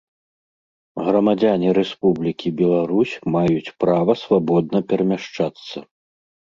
Грамадзяне Рэспублікі Беларусь маюць права свабодна перамяшчацца.